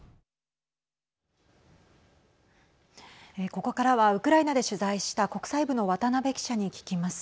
ここからは、ウクライナで取材した国際部の渡辺記者に聞きます。